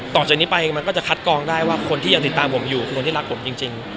ต่อจากนี้ไปมันก็จะคัดกองได้ว่าคนที่ยังติดตามผมอยู่คือคนที่รักผมจริง